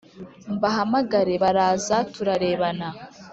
mbahamagare baraza turarebana